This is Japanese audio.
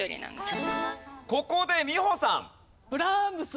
ここで美穂さん。